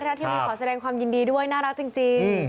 รัฐทีวีขอแสดงความยินดีด้วยน่ารักจริง